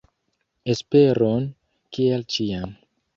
Esperon, kiel ĉiam!